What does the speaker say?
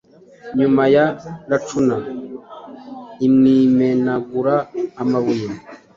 Nyuma ya lacuna imweamenagura amabuye